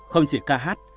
không chỉ ca hát